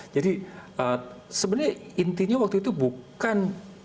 jadi sebenarnya intinya waktu itu bukan